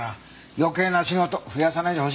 余計な仕事増やさないでほしいね。